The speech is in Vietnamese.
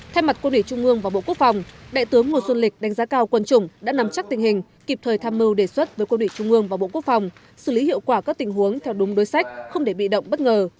thay mặt quân ủy trung ương và bộ quốc phòng đại tướng ngô xuân lịch đánh giá cao quân chủng đã nắm chắc tình hình kịp thời tham mưu đề xuất với quân ủy trung ương và bộ quốc phòng xử lý hiệu quả các tình huống theo đúng đối sách không để bị động bất ngờ